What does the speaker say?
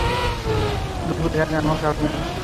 দুপুরের আগে আমার কাজ নেই।